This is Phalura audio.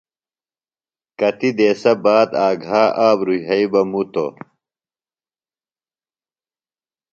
کتیۡ دیسہ باد آگھا آبرُوۡ یھئی بہ مُتوۡ۔